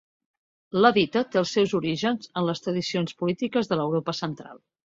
La dita té els seus orígens en les tradicions polítiques de l'Europa Central.